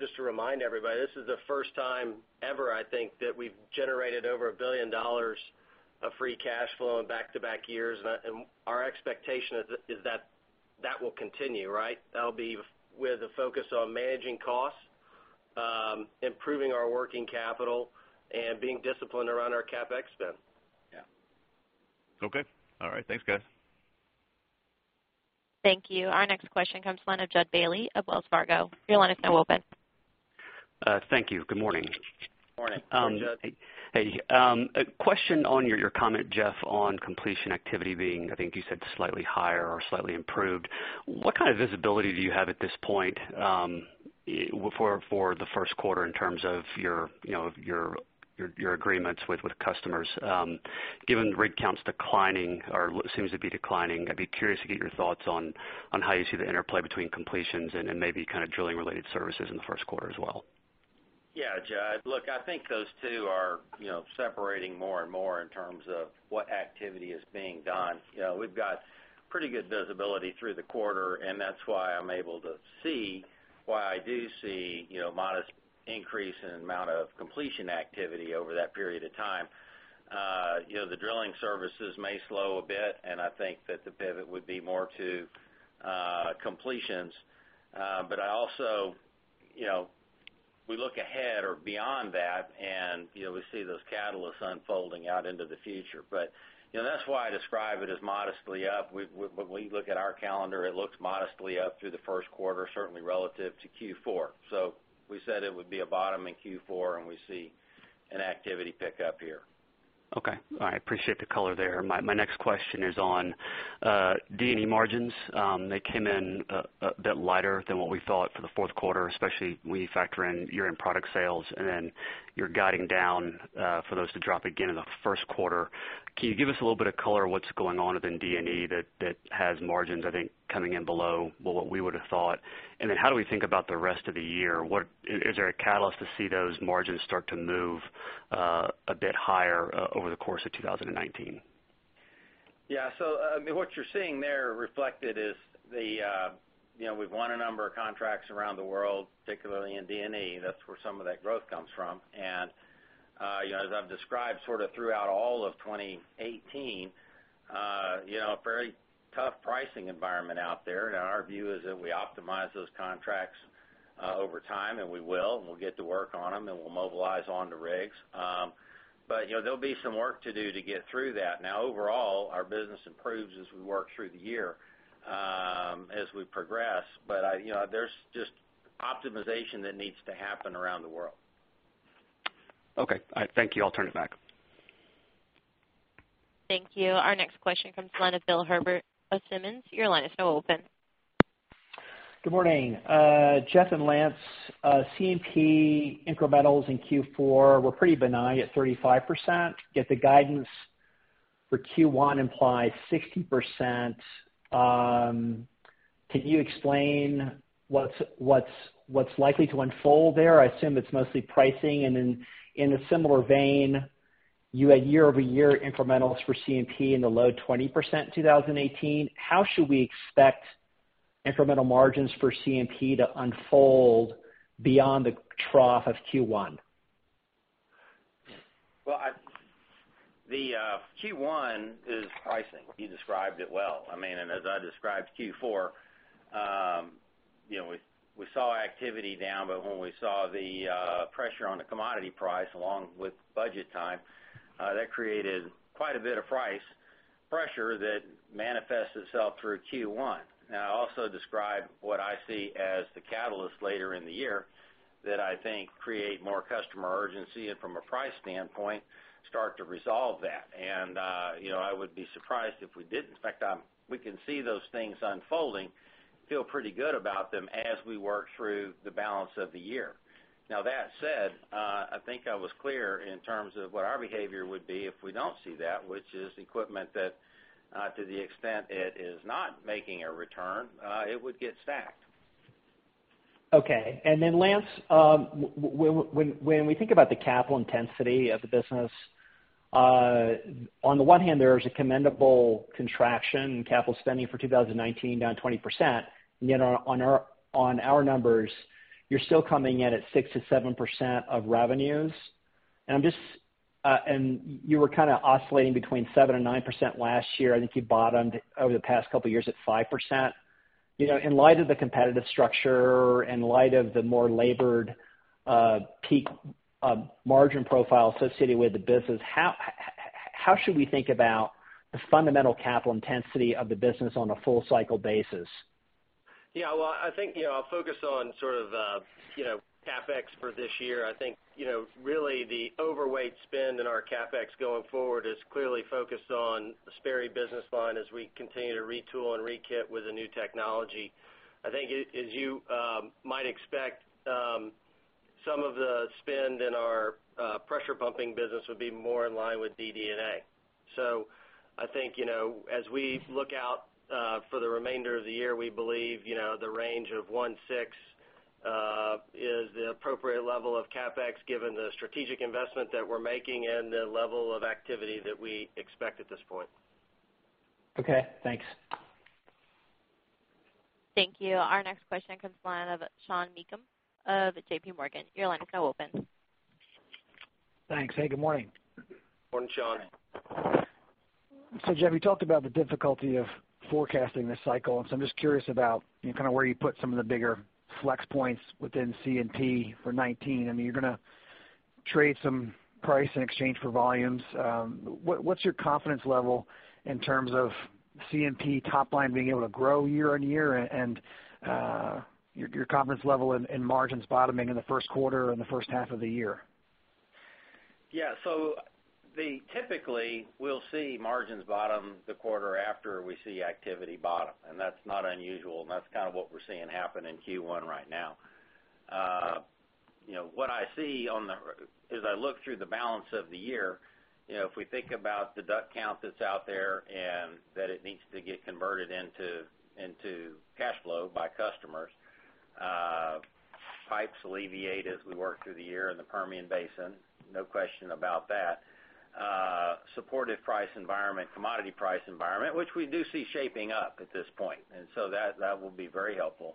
just to remind everybody, this is the first time ever, I think, that we've generated over $1 billion of free cash flow in back-to-back years. Our expectation is that will continue, right? That'll be with a focus on managing costs, improving our working capital, and being disciplined around our CapEx spend. Yeah. Okay. All right. Thanks, guys. Thank you. Our next question comes to the line of Judd Bailey of Wells Fargo. Your line is now open. Thank you. Good morning. Morning. Hey, Judd. Hey. A question on your comment, Jeff, on completion activity being, I think you said slightly higher or slightly improved. What kind of visibility do you have at this point for the first quarter in terms of your agreements with customers? Given rig counts declining or seems to be declining, I'd be curious to get your thoughts on how you see the interplay between completions and maybe kind of drilling-related services in the first quarter as well. Yeah, Judd. Look, I think those two are separating more and more in terms of what activity is being done. We've got pretty good visibility through the quarter, and that's why I'm able to see why I do see modest increase in amount of completion activity over that period of time. The drilling services may slow a bit, and I think that the pivot would be more to completions. We look ahead or beyond that, and we see those catalysts unfolding out into the future. That's why I describe it as modestly up. When we look at our calendar, it looks modestly up through the first quarter, certainly relative to Q4. We said it would be a bottom in Q4, and we see an activity pick up here. Okay. I appreciate the color there. My next question is on D&E margins. They came in a bit lighter than what we thought for the fourth quarter, especially when you factor in year-end product sales. Then you're guiding down for those to drop again in the first quarter. Can you give us a little bit of color what's going on within D&E that has margins, I think, coming in below what we would've thought? Then how do we think about the rest of the year? Is there a catalyst to see those margins start to move a bit higher over the course of 2019? Yeah. What you're seeing there reflected is we've won a number of contracts around the world, particularly in D&E. That's where some of that growth comes from. As I've described sort of throughout all of 2018, very tough pricing environment out there. Now our view is that we optimize those contracts over time, and we will, and we'll get to work on them, and we'll mobilize onto rigs. There'll be some work to do to get through that. Now overall, our business improves as we work through the year, as we progress. There's just optimization that needs to happen around the world. Okay. Thank you. I'll turn it back. Thank you. Our next question comes the line of Bill Herbert of Simmons. Your line is now open. Good morning. Jeff and Lance, C&P incrementals in Q4 were pretty benign at 35%. Yet the guidance for Q1 implies 60%. Can you explain what's likely to unfold there? I assume it's mostly pricing. In a similar vein, you had year-over-year incrementals for C&P in the low 20% in 2018. How should we expect incremental margins for C&P to unfold beyond the trough of Q1? Well, the Q1 is pricing. You described it well. As I described Q4, we saw activity down, but when we saw the pressure on the commodity price, along with budget time, that created quite a bit of price pressure that manifests itself through Q1. I also described what I see as the catalyst later in the year that I think create more customer urgency, and from a price standpoint, start to resolve that. I would be surprised if we didn't. In fact, we can see those things unfolding, feel pretty good about them as we work through the balance of the year. That said, I think I was clear in terms of what our behavior would be if we don't see that, which is equipment that to the extent it is not making a return, it would get stacked. Okay. Lance, when we think about the capital intensity of the business, on the one hand, there is a commendable contraction in capital spending for 2019 down 20%, yet on our numbers, you're still coming in at 6%-7% of revenues. You were kind of oscillating between 7% and 9% last year. I think you bottomed over the past couple of years at 5%. In light of the competitive structure, in light of the more labored peak margin profile associated with the business, how should we think about the fundamental capital intensity of the business on a full cycle basis? Well, I'll focus on sort of CapEx for this year. Really the overweight spend in our CapEx going forward is clearly focused on the Sperry business line as we continue to retool and rekit with the new technology. As you might expect, some of the spend in our pressure pumping business would be more in line with DD&A. As we look out for the remainder of the year, we believe the range of $1.6 billion is the appropriate level of CapEx given the strategic investment that we're making and the level of activity that we expect at this point. Okay, thanks. Thank you. Our next question comes to the line of Sean Meakim of JPMorgan. Your line is now open. Thanks. Hey, good morning. Morning, Sean. Jeff, you talked about the difficulty of forecasting this cycle, I'm just curious about kind of where you put some of the bigger flex points within C&P for 2019. I mean, you're going to trade some price in exchange for volumes. What's your confidence level in terms of C&P top line being able to grow year-on-year and your confidence level in margins bottoming in the first quarter and the first half of the year? Yeah. Typically, we'll see margins bottom the quarter after we see activity bottom, that's not unusual, that's kind of what we're seeing happen in Q1 right now. What I see as I look through the balance of the year, if we think about the DUC count that's out there, and that it needs to get converted into cash flow by customers, pipes alleviate as we work through the year in the Permian Basin. No question about that. Supportive price environment, commodity price environment, which we do see shaping up at this point. That will be very helpful.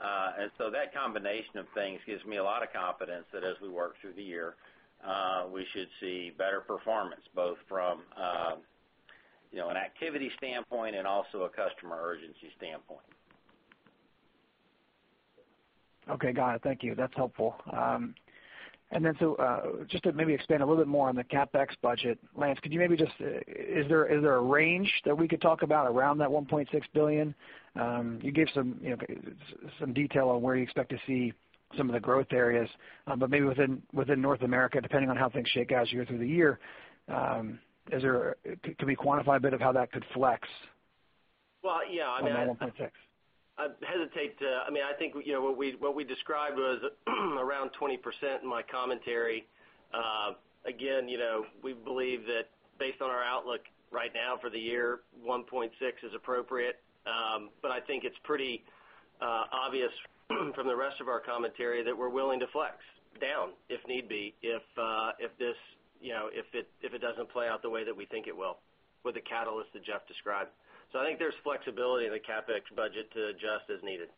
That combination of things gives me a lot of confidence that as we work through the year, we should see better performance, both from an activity standpoint and also a customer urgency standpoint. Okay, got it. Thank you. That's helpful. Just to maybe expand a little bit more on the CapEx budget. Lance, is there a range that we could talk about around that $1.6 billion? You gave some detail on where you expect to see some of the growth areas, but maybe within North America, depending on how things shake out as you go through the year, can we quantify a bit of how that could flex- Yeah, I mean- on that $1.6? I think what we described was around 20% in my commentary. Again, we believe that based on our outlook right now for the year, $1.6 is appropriate. I think it's pretty obvious from the rest of our commentary that we're willing to flex down if need be, if it doesn't play out the way that we think it will with the catalyst that Jeff described. I think there's flexibility in the CapEx budget to adjust as needed.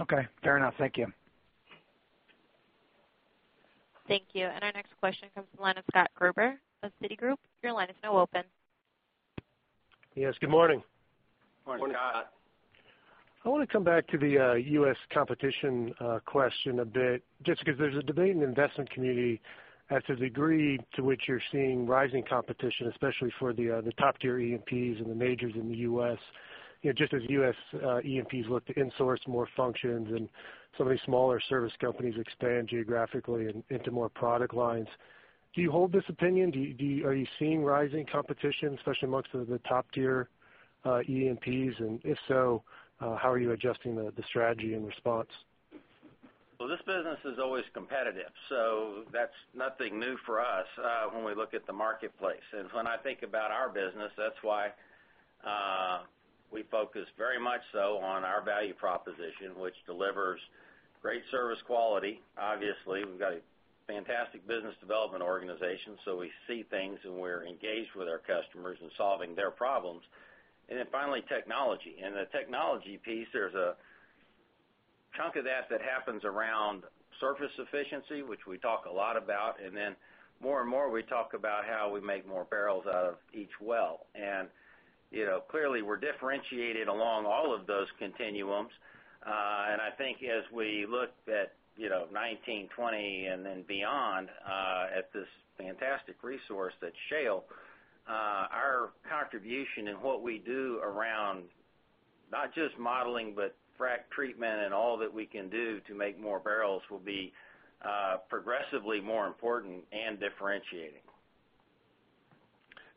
Okay, fair enough. Thank you. Thank you. Our next question comes from the line of Scott Gruber of Citigroup. Your line is now open. Yes, good morning. Morning, Scott. Morning. I want to come back to the U.S. competition question a bit, just because there's a debate in the investment community as to the degree to which you're seeing rising competition, especially for the top tier E&Ps and the majors in the U.S., just as U.S. E&Ps look to insource more functions and some of these smaller service companies expand geographically and into more product lines. Do you hold this opinion? Are you seeing rising competition, especially amongst the top tier E&Ps? If so, how are you adjusting the strategy in response? Well, this business is always competitive, so that's nothing new for us when we look at the marketplace. When I think about our business, that's why we focus very much so on our value proposition, which delivers great service quality. Obviously, we've got a fantastic business development organization, so we see things, and we're engaged with our customers in solving their problems. Then finally, technology. In the technology piece, there's a chunk of that that happens around surface efficiency, which we talk a lot about, and then more and more, we talk about how we make more barrels out of each well. Clearly, we're differentiated along all of those continuums. I think as we look at 2019, 2020, and then beyond, at this fantastic resource that's shale, our contribution and what we do around not just modeling, but frack treatment and all that we can do to make more barrels will be progressively more important and differentiating.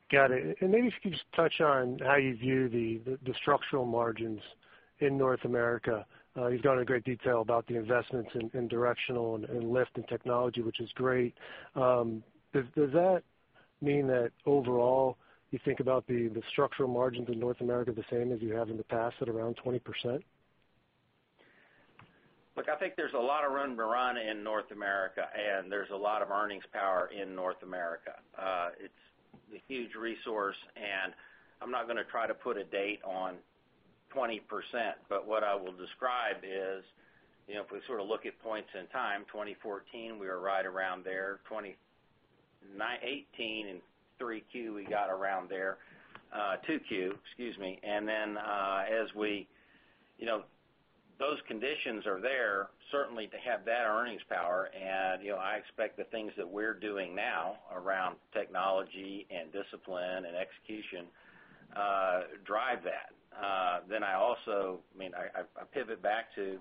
Got it. Maybe if you could just touch on how you view the structural margins in North America. You've gone into great detail about the investments in directional and lift and technology, which is great. Does that mean that overall, you think about the structural margins in North America the same as you have in the past, at around 20%? I think there's a lot of run rate in North America. There's a lot of earnings power in North America. It's a huge resource. I'm not going to try to put a date on 20%, but what I will describe is, if we look at points in time, 2014, we were right around there. 2018, in 3Q, we got around there. 2Q, excuse me. Those conditions are there certainly to have that earnings power. I expect the things that we're doing now around technology and discipline and execution drive that. I also pivot back to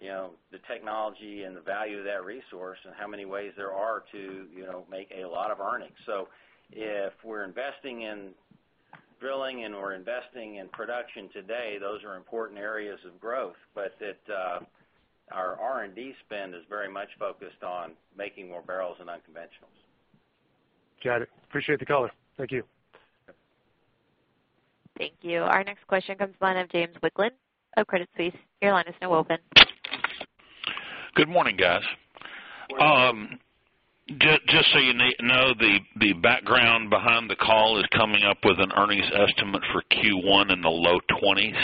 the technology and the value of that resource and how many ways there are to make a lot of earnings. If we're investing in drilling and we're investing in production today, those are important areas of growth. Our R&D spend is very much focused on making more barrels in unconventionals. Got it. Appreciate the color. Thank you. Thank you. Our next question comes from the line of James Wicklund of Credit Suisse. Your line is now open. Good morning, guys. Good morning. Just so you know, the background behind the call is coming up with an earnings estimate for Q1 in the low 20s,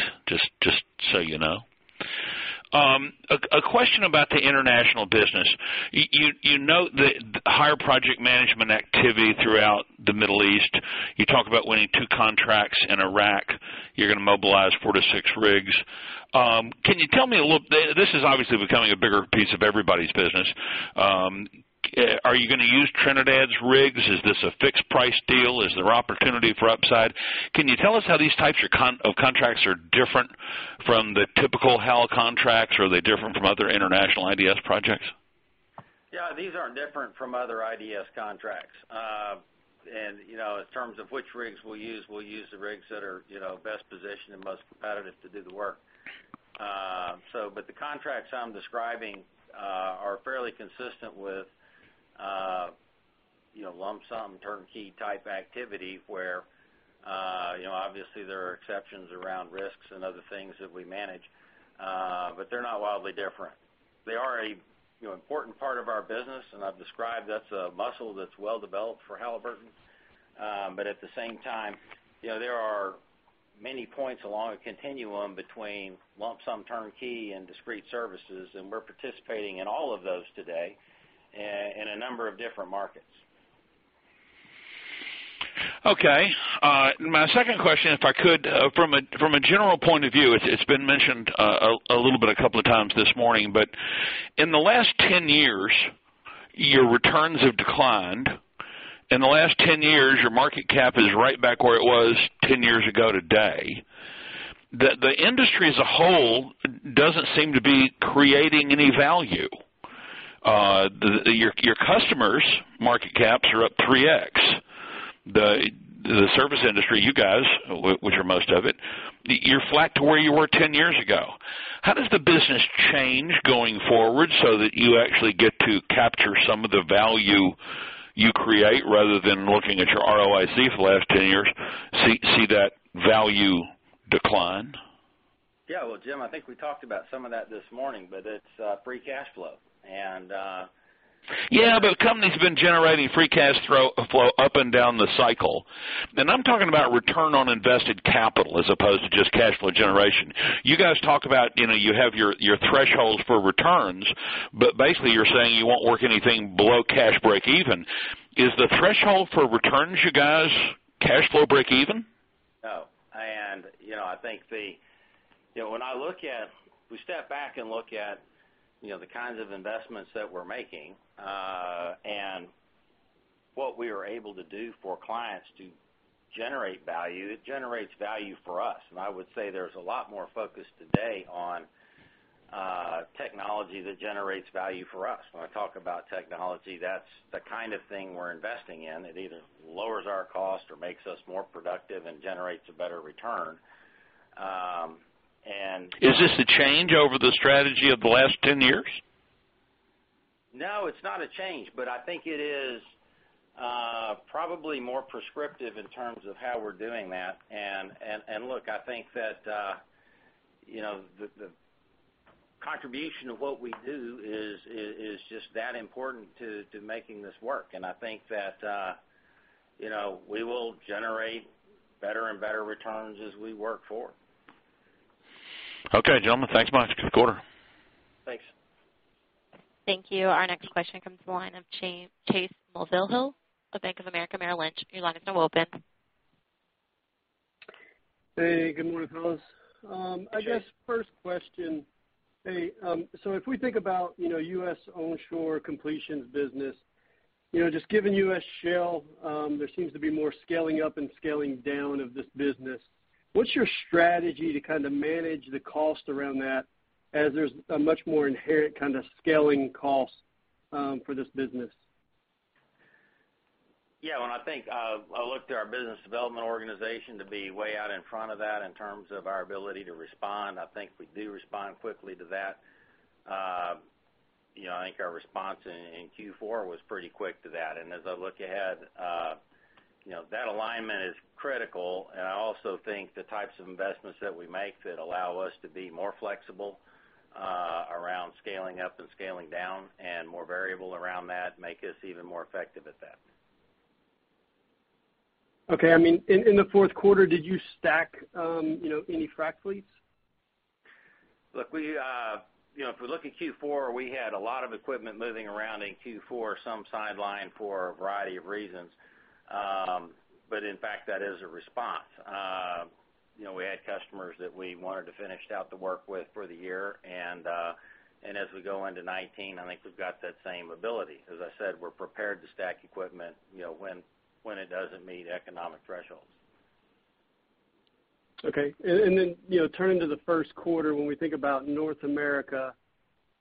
just so you know. A question about the international business. You note the higher project management activity throughout the Middle East. You talk about winning two contracts in Iraq. You're going to mobilize four to six rigs. This is obviously becoming a bigger piece of everybody's business. Are you going to use Trinidad's rigs? Is this a fixed price deal? Is there opportunity for upside? Can you tell us how these types of contracts are different from the typical Hall contracts? Are they different from other international IDS projects? Yeah, these aren't different from other IDS contracts. In terms of which rigs we'll use, we'll use the rigs that are best positioned and most competitive to do the work. The contracts I'm describing are fairly consistent with lump sum turnkey type activity, where obviously there are exceptions around risks and other things that we manage. They're not wildly different. They are a important part of our business, and I've described that's a muscle that's well developed for Halliburton. At the same time, there are many points along a continuum between lump sum turnkey and discrete services, and we're participating in all of those today in a number of different markets. Okay. My second question, if I could, from a general point of view, it's been mentioned a little bit a couple of times this morning, but in the last 10 years, your returns have declined. In the last 10 years, your market cap is right back where it was 10 years ago today. The industry as a whole doesn't seem to be creating any value. Your customers' market caps are up 3X. The service industry, you guys, which are most of it, you're flat to where you were 10 years ago. How does the business change going forward so that you actually get to capture some of the value you create rather than looking at your ROIC for the last 10 years, see that value decline? Yeah. Well, Jim, I think we talked about some of that this morning, but it's free cash flow. Yeah, companies have been generating free cash flow up and down the cycle. I'm talking about return on invested capital as opposed to just cash flow generation. You guys talk about you have your thresholds for returns, but basically, you're saying you won't work anything below cash breakeven. Is the threshold for returns, you guys, cash flow breakeven? No. We step back and look at the kinds of investments that we're making, and what we are able to do for clients to generate value, it generates value for us. I would say there's a lot more focus today on technology that generates value for us. When I talk about technology, that's the kind of thing we're investing in. It either lowers our cost or makes us more productive and generates a better return. Is this a change over the strategy of the last 10 years? No, it's not a change. I think it is probably more prescriptive in terms of how we're doing that. Look, I think that the contribution of what we do is just that important to making this work. I think that we will generate better and better returns as we work forward. Okay, gentlemen. Thanks a bunch. Good quarter. Thanks. Thank you. Our next question comes from the line of Chase Mulvihill, of Bank of America Merrill Lynch. Your line is now open. Hey, good morning, fellas. Hey, Chase. I guess first question. Hey, if we think about U.S. onshore completions business. Just given U.S. shale, there seems to be more scaling up and scaling down of this business. What's your strategy to manage the cost around that, as there's a much more inherent kind of scaling cost for this business? Yeah. Well, I think I look to our business development organization to be way out in front of that in terms of our ability to respond. I think we do respond quickly to that. I think our response in Q4 was pretty quick to that. As I look ahead, that alignment is critical, and I also think the types of investments that we make that allow us to be more flexible around scaling up and scaling down, and more variable around that, make us even more effective at that. Okay. In the fourth quarter, did you stack any frac fleets? Look, if we look at Q4, we had a lot of equipment moving around in Q4, some sidelined for a variety of reasons. In fact, that is a response. We had customers that we wanted to finish out the work with for the year. As we go into 2019, I think we've got that same ability. As I said, we're prepared to stack equipment when it doesn't meet economic thresholds. Okay. Turning to the first quarter, when we think about North America,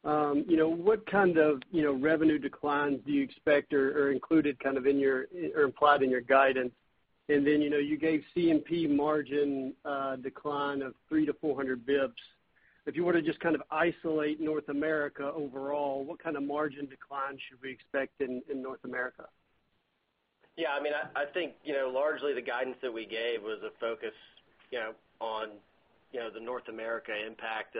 what kind of revenue declines do you expect or are included in your or implied in your guidance? You gave C&P margin decline of 3-400 basis points. If you were to just isolate North America overall, what kind of margin decline should we expect in North America? Yeah. I think largely the guidance that we gave was a focus on the North America impact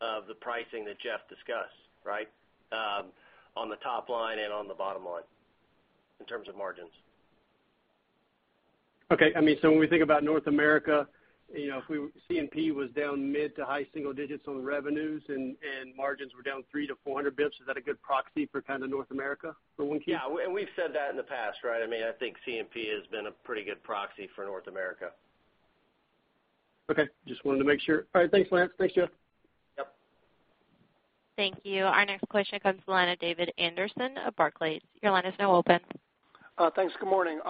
of the pricing that Jeff discussed, right? On the top line and on the bottom line in terms of margins. Okay. When we think about North America, if C&P was down mid to high single digits on revenues and margins were down 3 to 400 basis points, is that a good proxy for kind of North America for 1Q? Yeah. We've said that in the past, right? I think C&P has been a pretty good proxy for North America. Okay. Just wanted to make sure. All right. Thanks, Lance. Thanks, Jeff. Yep. Thank you. Our next question comes from the line of David Anderson of Barclays. Your line is now open. Thanks. Good morning.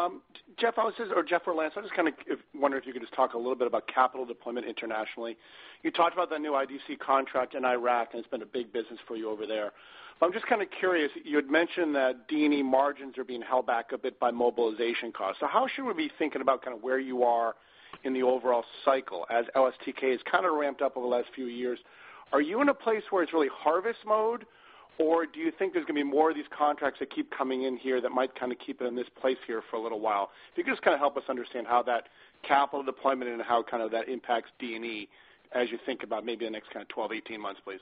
Jeff or Lance, I was just kind of wondering if you could just talk a little bit about capital deployment internationally. You talked about the new IDS contract in Iraq, and it's been a big business for you over there. I'm just kind of curious, you had mentioned that D&E margins are being held back a bit by mobilization costs. How should we be thinking about kind of where you are in the overall cycle as LSTK has kind of ramped up over the last few years? Are you in a place where it's really harvest mode, or do you think there's going to be more of these contracts that keep coming in here that might kind of keep it in this place here for a little while? If you could just kind of help us understand how that capital deployment and how that impacts D&E as you think about maybe the next kind of 12, 18 months, please.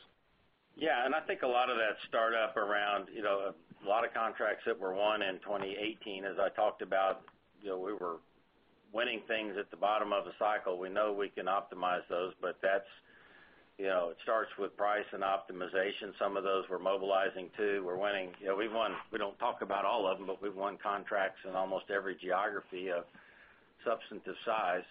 Yeah. I think a lot of that start up around a lot of contracts that were won in 2018, as I talked about, we were winning things at the bottom of the cycle. We know we can optimize those. It starts with price and optimization. Some of those we're mobilizing too. We're winning. We've won. We don't talk about all of them, but we've won contracts in almost every geography of substantive size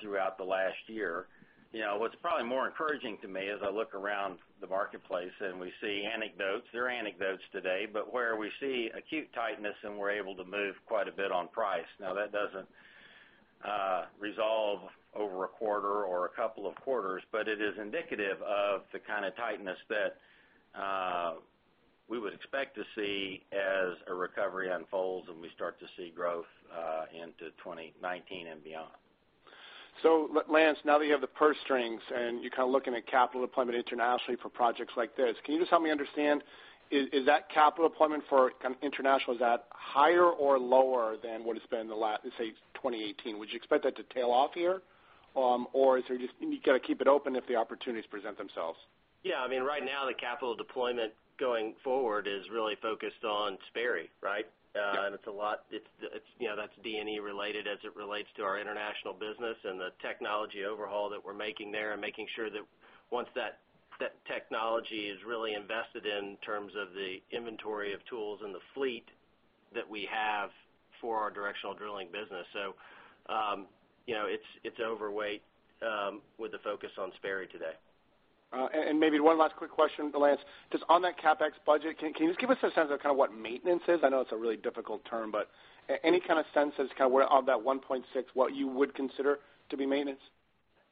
throughout the last year. What's probably more encouraging to me as I look around the marketplace and we see anecdotes, they're anecdotes today, but where we see acute tightness and we're able to move quite a bit on price. Now, that doesn't resolve over a quarter or a couple of quarters, but it is indicative of the kind of tightness that we would expect to see as a recovery unfolds and we start to see growth into 2019 and beyond. Lance, now that you have the purse strings and you're kind of looking at capital deployment internationally for projects like this, can you just help me understand, is that capital deployment for international, is that higher or lower than what it's been in the last, say, 2018? Would you expect that to tail off here? Or is there just you got to keep it open if the opportunities present themselves? Yeah. Right now the capital deployment going forward is really focused on Sperry, right? Yeah. That's D&E related as it relates to our international business and the technology overhaul that we're making there and making sure that once that technology is really invested in in terms of the inventory of tools and the fleet that we have for our directional drilling business. It's overweight with the focus on Sperry today. Maybe one last quick question, Lance. Just on that CapEx budget, can you just give us a sense of kind of what maintenance is? I know it's a really difficult term, but any kind of sense as kind of where of that $1.6, what you would consider to be maintenance? Yeah.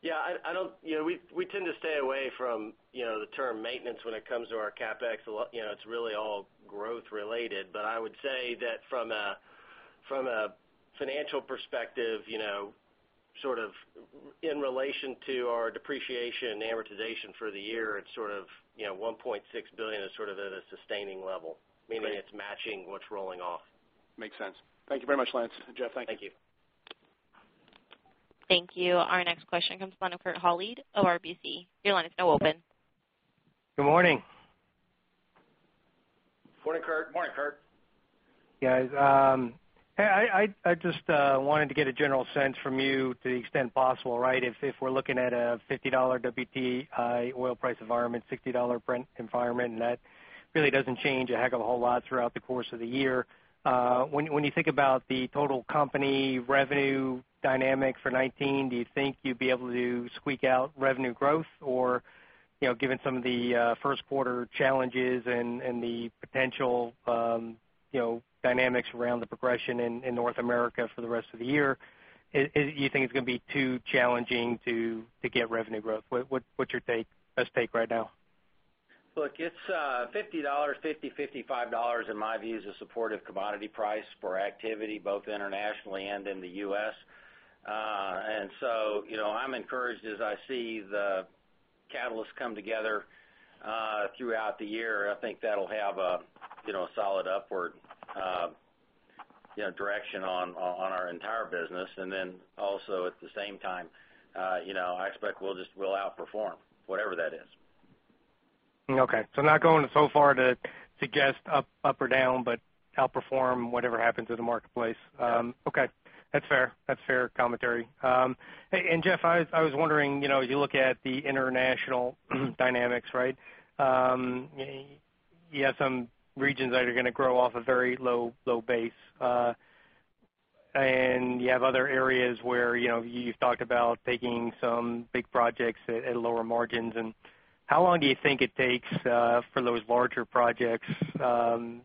We tend to stay away from the term maintenance when it comes to our CapEx. It's really all growth related. I would say that from a From a financial perspective, sort of in relation to our depreciation and amortization for the year, it's sort of $1.6 billion is sort of at a sustaining level, meaning it's matching what's rolling off. Makes sense. Thank you very much, Lance. Jeff, thank you. Thank you. Thank you. Our next question comes from Kurt Hallead of RBC. Your line is now open. Good morning. Morning, Kurt. Morning, Kurt. Guys, I just wanted to get a general sense from you to the extent possible, if we're looking at a $50 WTI oil price environment, $60 Brent environment, that really doesn't change a heck of a whole lot throughout the course of the year. When you think about the total company revenue dynamics for 2019, do you think you'd be able to squeak out revenue growth? Given some of the first quarter challenges and the potential dynamics around the progression in North America for the rest of the year, do you think it's going to be too challenging to get revenue growth? What's your best take right now? Look, it's $50, $50-$55, in my view, is a supportive commodity price for activity, both internationally and in the U.S. I'm encouraged as I see the catalysts come together throughout the year. I think that'll have a solid upward direction on our entire business. Also at the same time, I expect we'll outperform whatever that is. Okay, not going so far to guess up or down, but outperform whatever happens in the marketplace. Yeah. Okay. That's fair commentary. Jeff, I was wondering, as you look at the international dynamics. You have some regions that are going to grow off a very low base. You have other areas where you've talked about taking some big projects at lower margins. How long do you think it takes for those larger projects to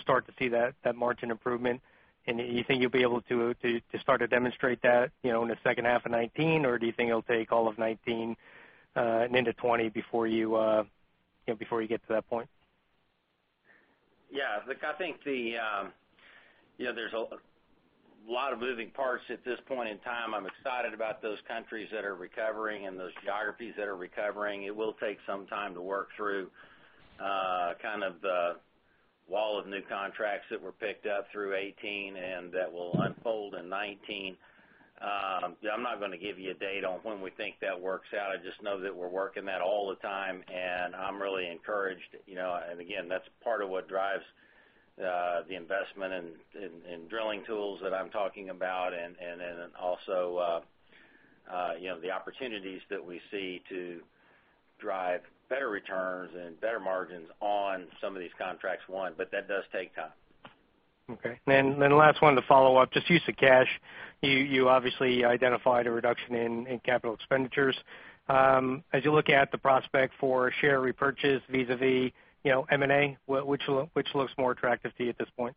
start to see that margin improvement? Do you think you'll be able to start to demonstrate that in the second half of 2019? Do you think it'll take all of 2019 and into 2020 before you get to that point? Yeah, look, I think there's a lot of moving parts at this point in time. I'm excited about those countries that are recovering and those geographies that are recovering. It will take some time to work through kind of the wall of new contracts that were picked up through 2018 and that will unfold in 2019. I'm not going to give you a date on when we think that works out. I just know that we're working that all the time, and I'm really encouraged. Again, that's part of what drives the investment in drilling tools that I'm talking about, and then also the opportunities that we see to drive better returns and better margins on some of these contracts, one. That does take time. Okay. Last one to follow up, just use of cash. You obviously identified a reduction in capital expenditures. As you look at the prospect for share repurchase vis-a-vis M&A, which looks more attractive to you at this point?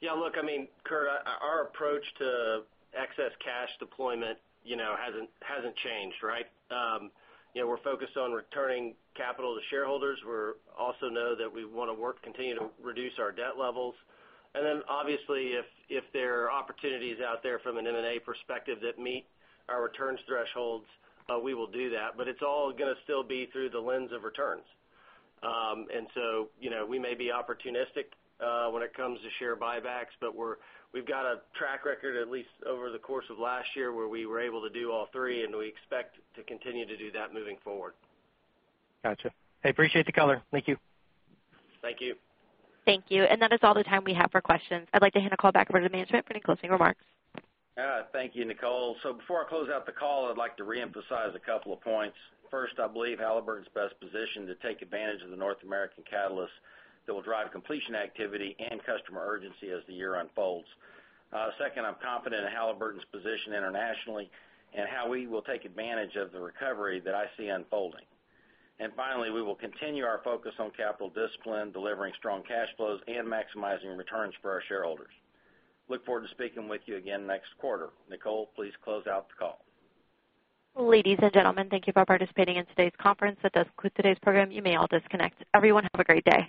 Yeah, look, I mean, Kurt, our approach to excess cash deployment hasn't changed. We're focused on returning capital to shareholders. We also know that we want to work to continue to reduce our debt levels. Obviously, if there are opportunities out there from an M&A perspective that meet our returns thresholds, we will do that. It's all gonna still be through the lens of returns. We may be opportunistic when it comes to share buybacks, we've got a track record, at least over the course of last year, where we were able to do all three, and we expect to continue to do that moving forward. Got you. I appreciate the color. Thank you. Thank you. Thank you. That is all the time we have for questions. I'd like to hand the call back over to management for any closing remarks. Thank you, Nicole. Before I close out the call, I'd like to reemphasize a couple of points. First, I believe Halliburton's best positioned to take advantage of the North American catalyst that will drive completion activity and customer urgency as the year unfolds. Second, I'm confident in Halliburton's position internationally and how we will take advantage of the recovery that I see unfolding. Finally, we will continue our focus on capital discipline, delivering strong cash flows, and maximizing returns for our shareholders. Look forward to speaking with you again next quarter. Nicole, please close out the call. Ladies and gentlemen, thank you for participating in today's conference. That does conclude today's program. You may all disconnect. Everyone, have a great day.